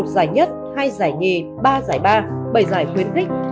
một giải nhất hai giải nhì ba giải ba bảy giải khuyến khích